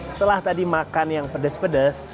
setelah tadi makan yang pedes pedes